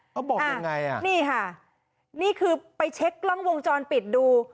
เขาบอกยังไงอ่ะนี่ค่ะนี่คือไปเช็คกล้องวงจรปิดดู